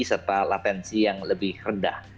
serta latensi yang lebih rendah